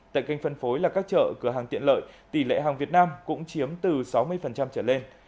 tại kênh phân phối là các chợ cửa hàng tiện lợi tỷ lệ hàng việt nam cũng chiếm từ sáu mươi trở lên